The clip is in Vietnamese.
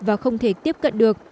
và không thể tiếp cận được